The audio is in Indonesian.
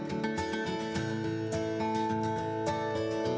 ada yang berpengalaman ada yang berpengalaman